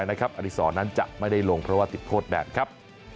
อดีศรนั้นจะไม่ได้ลงเพราะว่าติดโทษแบนครับ